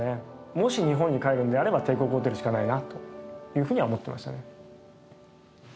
もし日本に帰るのであれば帝国ホテルしかないなというふうには思ってましたね。